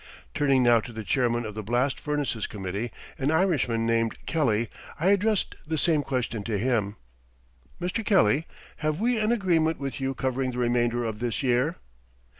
Turning now to the chairman of the blast furnaces committee, an Irishman named Kelly, I addressed the same question to him: "Mr. Kelly, have we an agreement with you covering the remainder of this year?"